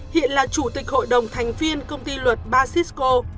hiện là chủ tịch hội đồng thành viên công ty luật basisco